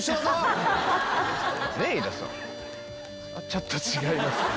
ちょっと違いますね。